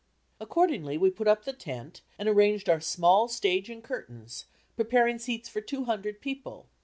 Accordingly we put up the tent and arranged our small stage and curtains, preparing seats for two hundred people.